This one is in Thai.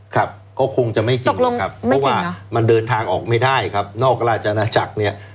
ครับก็คงจะไม่จริงหรอกครับเพราะว่ามันเดินทางออกไม่ได้ครับนอกราชนาจักรเนี่ย